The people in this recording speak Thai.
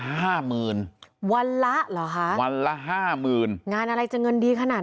ห้าหมื่นวันละเหรอคะวันละห้าหมื่นงานอะไรจะเงินดีขนาด